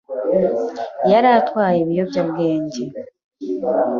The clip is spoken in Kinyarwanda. Yari atwaye ibiyobyabwenge.